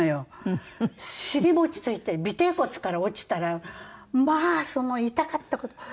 しりもちついて尾てい骨から落ちたらまあその痛かった事。